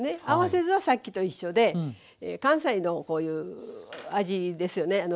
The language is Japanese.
合わせ酢はさっきと一緒で関西のこういう味ですよね。